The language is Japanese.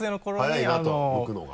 速いなと剥くのが。